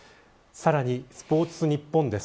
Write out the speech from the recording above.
さらに、スポーツニッポンです。